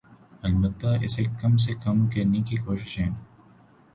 البتہ اسے کم سے کم کرنے کی کوششیں